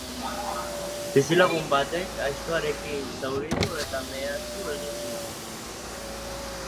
Bizilagun batek aiztoarekin zauritu eta mehatxu egin zion.